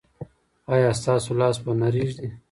ایا ستاسو لاس به نه ریږدي؟